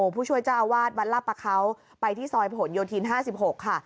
ผู้ช่วยเจ้าอาวาสวัดลาปะเขาไปที่ซอยผลโยธิน๕๖ค่ะ